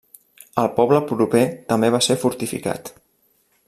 El poble proper també va ser fortificat.